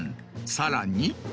さらに。